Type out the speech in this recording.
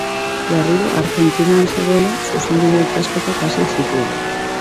Berriro Argentinan zegoela, zuzenbide ikasketak hasi zituen.